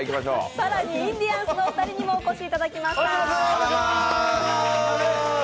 更にインディアンスのお二人にもお越しいただきました。